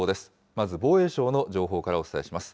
まず防衛省の情報からお伝えします。